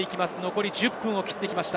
残り１０分を切ってきました。